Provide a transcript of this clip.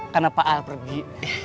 karena pak al pergi